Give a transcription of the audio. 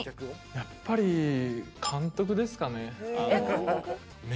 やっぱり監督ですかね。